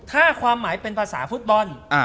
ถ้าความหมายเป็นภาษาฟุตบอล